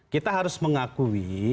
kita harus mengakui